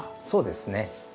そうですね。